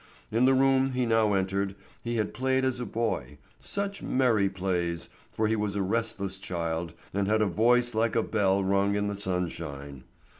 In the room he now entered he had played as a boy, such merry plays, for he was a restless child and had a voice like a bell rung in the sunshine.